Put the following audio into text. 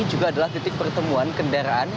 juga adalah titik pertemuan kendaraan